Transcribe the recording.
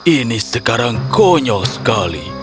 ini sekarang konyol sekali